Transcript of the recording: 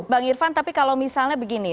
bang irvan tapi kalau misalnya begini